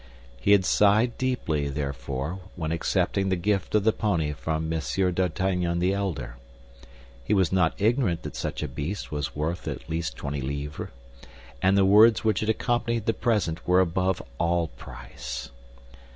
He had sighed deeply, therefore, when accepting the gift of the pony from M. d'Artagnan the elder. He was not ignorant that such a beast was worth at least twenty livres; and the words which had accompanied the present were above all price.